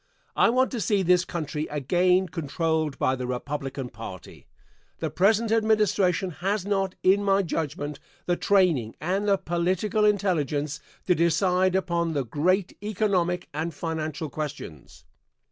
I want to see this country again controlled by the Republican party. The present administration has not, in my judgment, the training and the political intelligence to decide upon the great economic and financial questions.